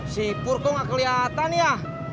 si pur kok nggak kelihatan ya